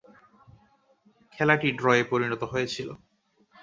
খেলাটি ড্রয়ে পরিণত হয়েছিল।